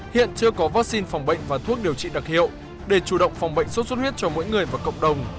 hiện chưa có vaccine phòng bệnh và thuốc điều trị đặc hiệu để chủ động phòng bệnh sốt xuất huyết cho mỗi người và cộng đồng